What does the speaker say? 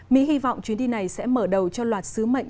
mỹ hy vọng chuyến đi này sẽ mở đầu cho loạt sứ mệnh